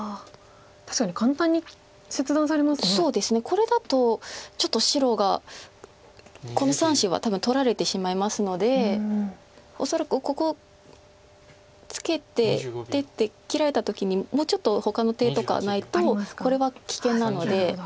これだとちょっと白がこの３子は多分取られてしまいますので恐らくここツケて出て切られた時にもうちょっとほかの手とかないとこれは危険なので。